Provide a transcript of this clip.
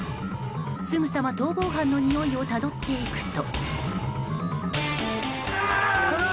すぐさま逃亡犯のにおいをたどっていくと。